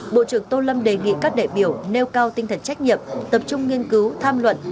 bộ trưởng tô lâm đề nghị các đại biểu nêu cao tinh thần trách nhiệm tập trung nghiên cứu tham luận